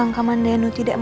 orang perjaga ini sudah apa